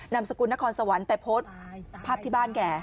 มสกุลนครสวรรค์แต่โพสต์ภาพที่บ้านแก